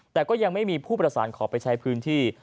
แต่ก็ยังไม่มีผู้ประสานขอไปใช้พื้นที่